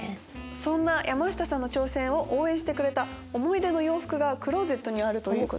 そんな山下さんの挑戦を応援してくれた思い出の洋服がクローゼットにあるということで。